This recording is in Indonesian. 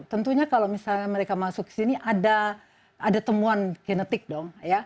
tentunya kalau misalnya mereka masuk ke sini ada temuan genetik dong